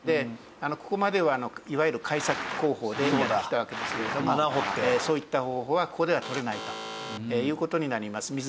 ここまではいわゆる開削工法でやってきたわけですけれどもそういった方法はここでは取れないという事になります。